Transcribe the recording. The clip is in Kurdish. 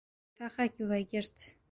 Me feqek vegirt.